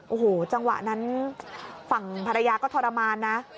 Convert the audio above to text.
โอ้โหจังหวะนั้นฝั่งภรรยาก็ทรมานนะ